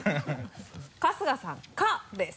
春日さん「か」です。